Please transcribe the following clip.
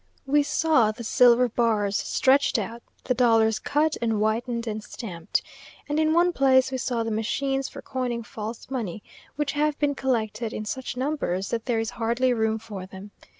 We saw the silver bars stretched out, the dollars cut and whitened and stamped; and in one place we saw the machines for coining false money, which have been collected in such numbers that there is hardly room for them!